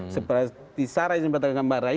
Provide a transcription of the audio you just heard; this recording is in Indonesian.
seperti sara yang dipertanggungkan mbak rai